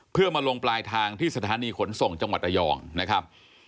เพื่อมาลงปลายทางที่สถานีขนส่งจังหวัดระยองนะครับ